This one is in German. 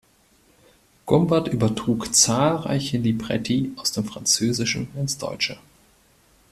Gumbert übertrug zahlreiche Libretti aus dem Französischen ins Deutsche.